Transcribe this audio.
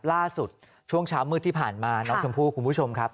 ช่วงเช้ามืดที่ผ่านมาน้องชมพู่คุณผู้ชมครับ